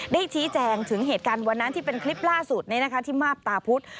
ได้ชี้แจงถึงเหตุการณ์วันนั้นที่เป็นคลิปล่าสุดที่มาบตาพุธ